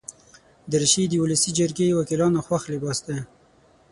دریشي د ولسي جرګې وکیلانو خوښ لباس دی.